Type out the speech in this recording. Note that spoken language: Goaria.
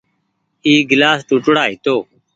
اي گلآس ٽوُٽڙآ هيتو۔